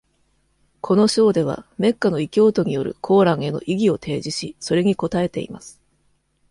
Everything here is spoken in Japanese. この章では、メッカの異教徒によるコーランへの異議を提示し、それに応えています。